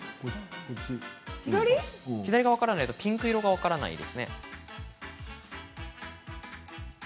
左が分からないとピンク色が分からないですね。